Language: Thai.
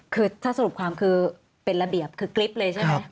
คือถ้าสรุปความคือเป็นระเบียบคือกริ๊บเลยใช่ไหม